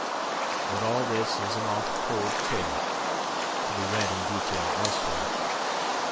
But all this is an oft told tale, to be read in detail elsewhere.